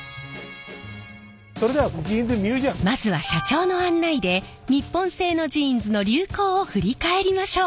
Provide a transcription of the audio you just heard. まずは社長の案内で日本製のジーンズの流行を振り返りましょう。